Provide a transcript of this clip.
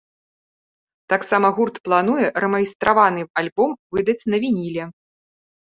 Таксама гурт плануе рэмайстраваны альбом выдаць на вініле.